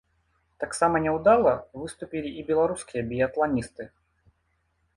Таксама няўдала выступілі і беларускія біятланісты.